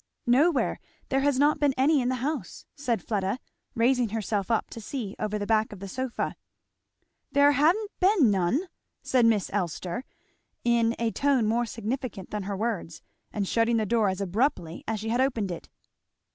"Nowhere there has not been any in the house," said Fleda, raising herself up to see over the back of her sofa. "There ha'n't been none!" said Miss Elster, in a tone more significant than her words, and shutting the door as abruptly as she had opened it.